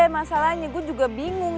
masalahnya gue juga bingung